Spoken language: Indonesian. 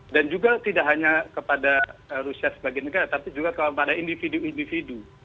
dan juga tidak hanya kepada rusia sebagai negara tapi juga kepada individu individu